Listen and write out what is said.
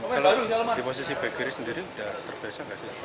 kalau di posisi back kiri sendiri sudah terbiasa nggak sih